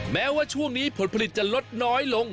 แม้ว่าช่วงนี้ผลผลิตจะลดน้อยลง